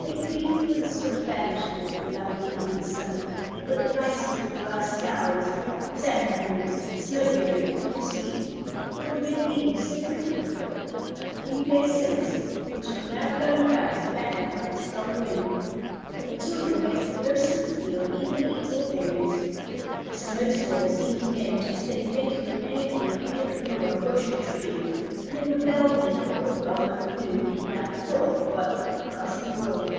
They grieved for the swift vanishing of the lovely Indian summer, for the blighting of the last flowers, chrysanthemums, snow berries, bitter sweet, and for the red leaves, so pretty but a few days since, which were now blown about and battered by the strong wind. But the children wasted no sympathy on either leaves or berries. A snow storm seemed to them just then better than anything that ever grew on bush or tree, and they revelled in it all the long afternoon without a thought of what it had cost the world.